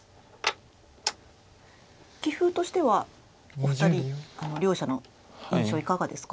棋風としてはお二人両者の印象いかがですか？